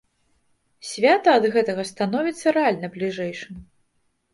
Свята ад гэтага становіцца рэальна бліжэйшым.